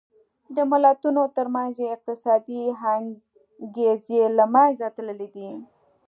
د ملتونو ترمنځ یې اقتصادي انګېزې له منځه تللې دي.